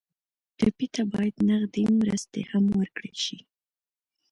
ټپي ته باید نغدې مرستې هم ورکړل شي.